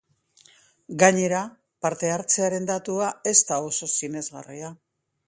Gainera, parte-hartzearen datua ez da oso sinesgarria.